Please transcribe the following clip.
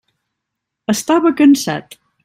Estava cansat.